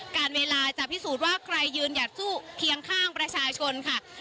การเวลาจะพิสูจน์ว่าใครยืนหยัดสู้เคียงข้างประชาชนค่ะ